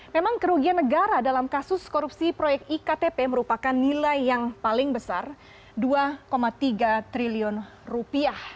memang kerugian negara dalam kasus korupsi proyek iktp merupakan nilai yang paling besar dua tiga triliun rupiah